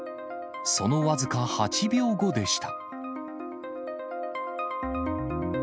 その僅か８秒後でした。